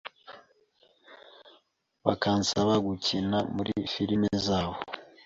bakansaba gukina muri firime zabo.